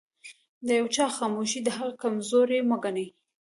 د يوچا خاموښي دهغه کمزوري مه ګنه